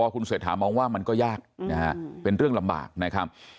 คุณเศรษฐามองว่ามันก็ยากนะฮะเป็นเรื่องลำบากนะครับ